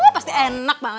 pasti enak banget